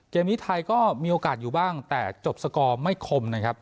เกมนี้ไทยก็มีโอกาสอยู่บ้างแต่จบสกอร์ไม่คมนะครับ